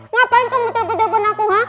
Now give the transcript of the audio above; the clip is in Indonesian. ngapain kamu terpeterpun aku ha